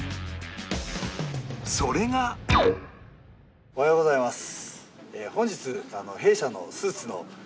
それがおはようございます。